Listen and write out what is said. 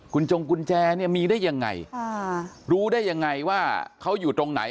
คุณจงกุญแจเนี่ยมีได้ยังไงรู้ได้ยังไงว่าเขาอยู่ตรงไหน